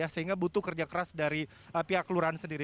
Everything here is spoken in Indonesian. sehingga butuh kerja keras dari pihak kelurahan sendiri